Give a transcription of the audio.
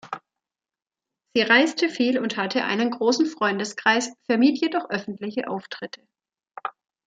Sie reiste viel und hatte einen großen Freundeskreis, vermied jedoch öffentliche Auftritte.